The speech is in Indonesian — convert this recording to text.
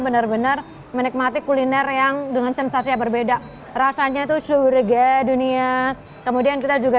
benar benar menikmati kuliner yang dengan sensasi yang berbeda rasanya itu surga dunia kemudian kita juga